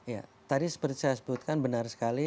ya tadi seperti saya sebutkan benar sekali